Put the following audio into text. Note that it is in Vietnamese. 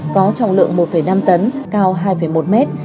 có trọng lượng một năm tấn cao hai một mét